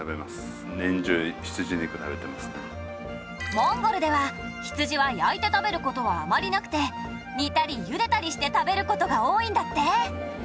モンゴルでは羊は焼いて食べる事はあまりなくて煮たりゆでたりして食べる事が多いんだって。